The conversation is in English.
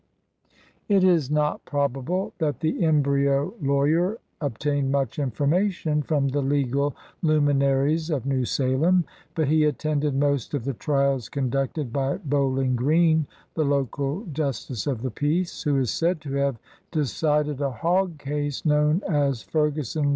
It is not probable that the embryo lawyer ob tained much information from the legal lumi naries of New Salem, but he attended most of the trials conducted by Bowling Green, the local justice of the peace, who is said to have decided a hog case known as Ferguson v.